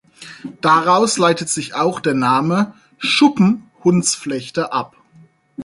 Daraus leitet sich auch der Name "Schuppen-Hundsflechte" ab.